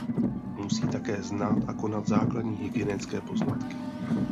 Musí také znát a konat základní hygienické poznatky.